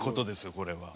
これは。